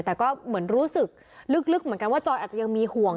แต่ก็เหมือนรู้สึกลึกเหมือนกันว่าจอยอาจจะยังมีห่วง